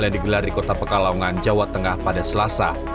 yang digelar di kota pekalongan jawa tengah pada selasa